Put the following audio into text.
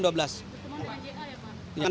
kapan dengan j a ya pak